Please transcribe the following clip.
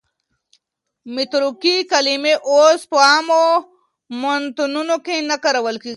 متروکې کلمې اوس په عامو متنونو کې نه کارول کېږي.